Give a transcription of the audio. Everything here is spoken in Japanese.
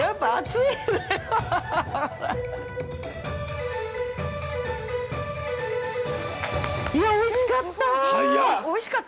◆いや、おいしかった。